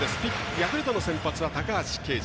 ヤクルトの先発は高橋奎二。